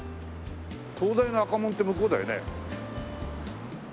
東大の赤門って向こうだよね？